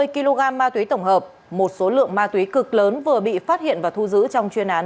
hai mươi kg ma túy tổng hợp một số lượng ma túy cực lớn vừa bị phát hiện và thu giữ trong chuyên án